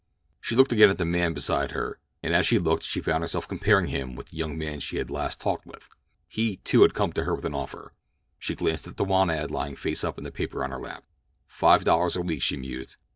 She looked again at the man beside her, and as she looked she found herself comparing him with the young man she had last talked with. He, too, had come to her with an offer. She glanced at the want ad lying face up in the paper on her lap. "Five dollars a week," she mused.